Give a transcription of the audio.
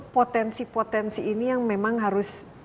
potensi potensi ini yang memang harus